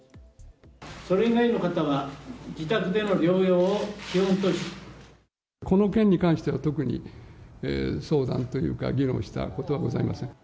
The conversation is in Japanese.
それ以外の方は、この件に関しては、特に相談というか、議論したことはございません。